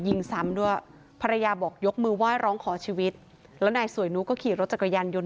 ยิงซ้ำด้วยภรรยาบอกยกมือไหว้ร้องขอชีวิตแล้วนายสวยนุก็ขี่รถจักรยานยนต์